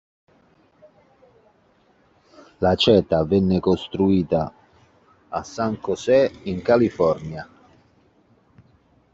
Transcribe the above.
La Cheetah venne costruita a San José in California.